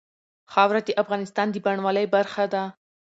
خاوره د افغانستان د بڼوالۍ برخه ده.